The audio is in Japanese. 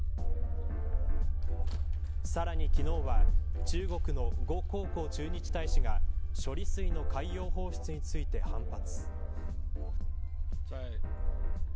さらに昨日は中国の呉江浩駐日大使が処理水の海洋放出について反発。